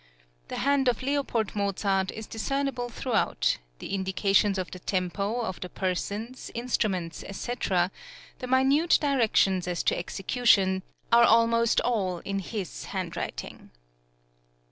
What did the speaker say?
The hand of L. Mozart is discernible throughout; the indications of the tempo, of the persons, instruments, &c., the minute directions as to execution, are almost all in his handwriting.